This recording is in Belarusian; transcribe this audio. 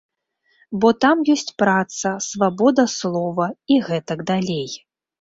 Бо там ёсць праца, свабода слова і гэтак далей.